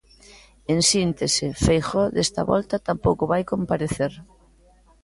En síntese: Feijóo desta volta tampouco vai comparecer.